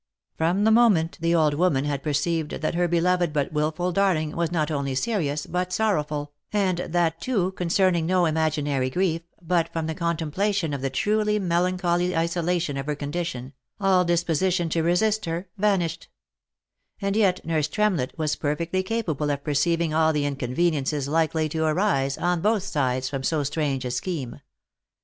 From the moment the old woman had perceived that her beloved, but wilful darling, was not only serious, but sorrowful, and that, too, concerning no imaginary grief, but from the contemplation of the truly melancholy isolation of her condition, all disposition to resist her vanished ; and yet nurse Tremlett was perfectly capable of perceiving all the inconveniences likely to arise on both sides from so strange a scheme.